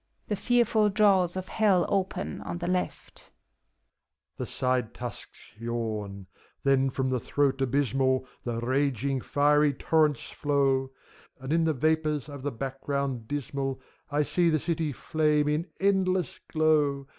{The fearful Jaws of Hell open, on the left.) The side tusks yawn : then from the throat abysmal The raging, fiery torrents flow, And in the vapors of the background dismal I see the city flame in endless glow.